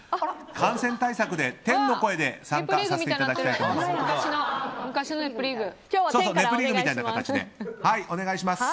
感染対策で天の声で参加させていただきます。